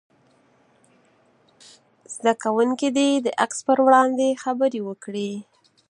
زده کوونکي دې د عکس په وړاندې خبرې وکړي.